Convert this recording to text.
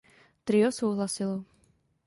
Trio souhlasilo.